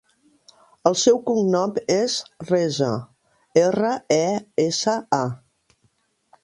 El seu cognom és Resa: erra, e, essa, a.